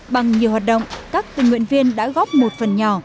bằng nhiều hoạt động các tình nguyện viên đã góp một phần nhỏ